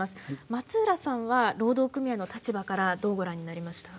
松浦さんは労働組合の立場からどうご覧になりました？